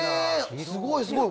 すごい、すごい。